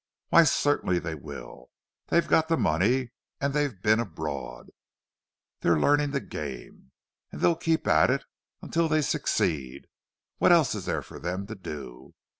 "Why, certainly they will. They've got the money; and they've been abroad—they're learning the game. And they'll keep at it until they succeed—what else is there for them to do?